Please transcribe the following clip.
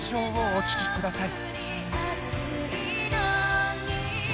お聴きください